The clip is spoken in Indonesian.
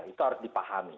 itu harus dipahami